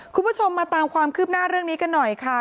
คุณผู้ชมมาตามความคืบหน้าเรื่องนี้กันหน่อยค่ะ